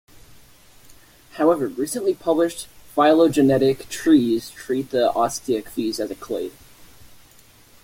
However, recently published phylogenetic trees treat the Osteichthyes as a clade.